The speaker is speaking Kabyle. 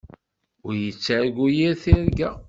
Ur yettargu yir tirga.